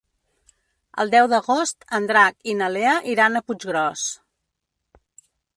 El deu d'agost en Drac i na Lea iran a Puiggròs.